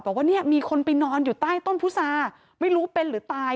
บอกว่าเนี่ยมีคนไปนอนอยู่ใต้ต้นพุษาไม่รู้เป็นหรือตาย